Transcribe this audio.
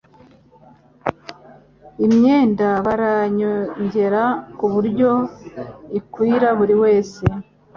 Imyenda barayongera kuburyo ikwira buri wese